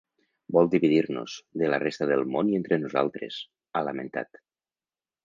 Vol dividir-nos, de la resta del món i entre nosaltres, ha lamentat.